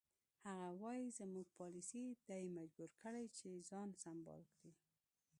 هغه وایي زموږ پالیسي دی مجبور کړی چې ځان سمبال کړي.